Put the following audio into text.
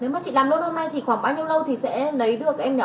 nếu mà chị làm luôn hôm nay thì khoảng bao nhiêu lâu thì sẽ lấy được em nhỏ